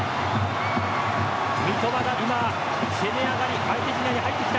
三笘が今、攻め上がり、相手陣内に入ってきた。